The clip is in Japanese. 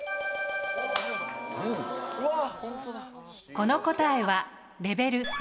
この答えはレベル３。